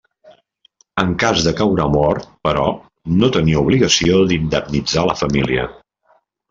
En cas de caure mort però, no tenia obligació d'indemnitzar la família.